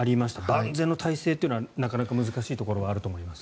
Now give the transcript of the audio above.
万全の態勢というのはなかなか難しいところはあると思います。